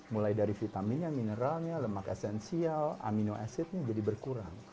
mulai dari vitaminnya mineralnya lemak esensial aminoasidnya jadi berkurang